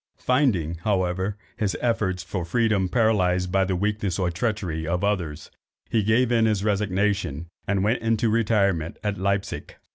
Finding, however, his efforts for freedom paralysed by the weakness or treachery of others, he gave in his resignation, and went into retirement at Leipsic.